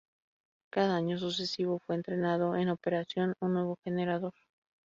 Cada año sucesivo fue entrando en operación un nuevo generador.